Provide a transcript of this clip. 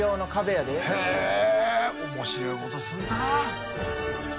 へえ面白いことするな。